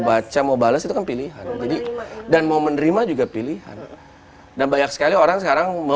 baca mau bales itu kan pilihan jadi dan mau menerima juga pilihan dan banyak sekali orang sekarang